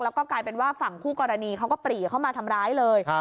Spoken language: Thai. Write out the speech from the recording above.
แล้วก็กลายเป็นว่าฝั่งคู่กรณีเขาก็ปรีเข้ามาทำร้ายเลย